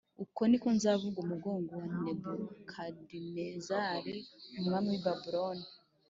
uko ni ko nzavuna umugogo wa Nebukadinezari umwami w i Babuloni